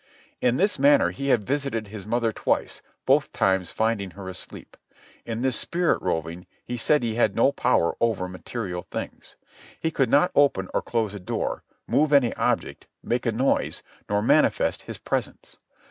In this manner he had visited his mother twice, both times finding her asleep. In this spirit roving he said he had no power over material things. He could not open or close a door, move any object, make a noise, nor manifest his presence.